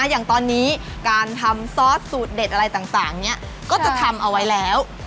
อย่างตอนนี้การทำซอสสูตรเด็ดอะไรต่างก็จะทำเอาไว้แล้ว